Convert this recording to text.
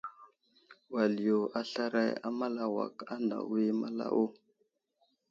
Wal yo aslaray a malawak anawo i malawo.